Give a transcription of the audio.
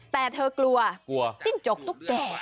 แต่เธอกลัวจิ้นจกตุ๊กแก่